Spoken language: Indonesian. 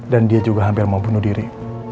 dan dia juga hampir mau bunuh diri